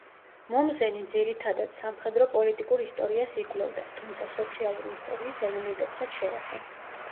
მომზენი ძირითადად სამხედრო-პოლიტიკურ ისტორიას იკვლევდა, თუმცა სოციალური ისტორიის ელემენტებსაც შეეხო.